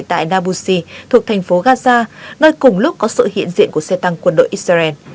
tại nabushi thuộc thành phố gaza nơi cùng lúc có sự hiện diện của xe tăng quân đội israel